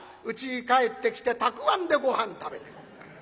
うちに帰ってきてたくあんでごはん食べて。